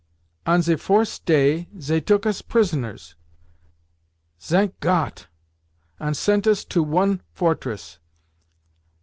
"On ze fours day zey took us prisoners—zank Got! ant sent us to one fortress.